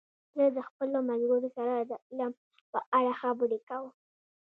زه د خپلو ملګرو سره د علم په اړه خبرې کوم.